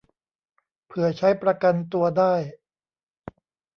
เผื่อใช้ประกันตัวได้